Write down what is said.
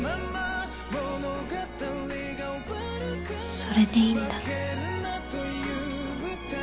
それでいいんだ。